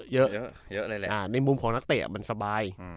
เยอะในมุมของนักเตะมันสบาย